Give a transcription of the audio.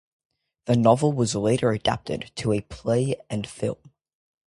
The novel was later adapted to a play and film.